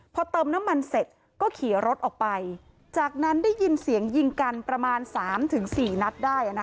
พอเติมน้ำมันเสร็จก็ขี่รถออกไปจากนั้นได้ยินเสียงยิงกันประมาณ๓๔นัดได้